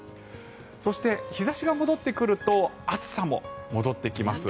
そして、日差しが戻ってくると暑さも戻ってきます。